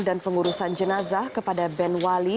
dan pengurusan jenazah kepada benwali